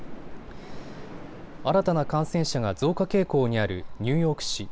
新たな感染者が増加傾向にあるニューヨーク市。